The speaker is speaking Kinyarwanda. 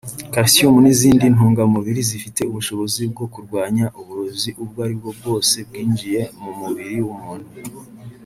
calcium n’izindi ntungamubiri zifite ubushobozi bwo kurwanya uburozi ubwo aribwo bwose bwinjiye mu mubiri w’umuntu